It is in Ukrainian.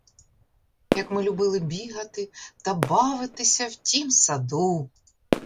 Як ми любили бігати та бавитися в тім саду!